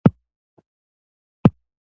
ایا زه باید کیچړي وخورم؟